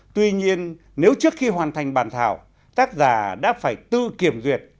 tuy nhiên nếu trước khi hoàn thành bàn thảo tác giả đã phải tự kiểm duyệt